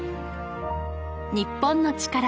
『日本のチカラ』